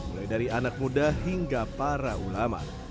mulai dari anak muda hingga para ulama